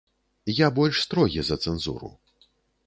Я больш строгі за цэнзуру.